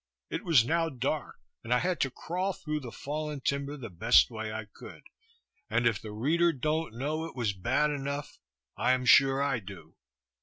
It was now dark, and I had to crawl through the fallen timber the best way I could; and if the reader don't know it was bad enough, I am sure I do.